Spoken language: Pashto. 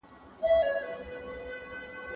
شات له نورو خوږو توکو توپیر لري.